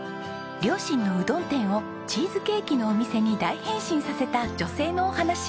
両親のうどん店をチーズケーキのお店に大変身させた女性のお話。